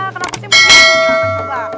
kenapa sih mau jadi hantu anak anak